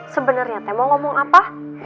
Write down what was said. sebenarnya teh mau ngomong apa